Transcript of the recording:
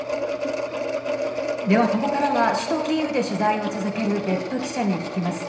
では、ここからは首都キーウで取材を続ける別府記者に聞きます。